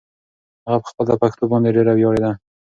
هغه په خپله پښتو باندې ډېره ویاړېده.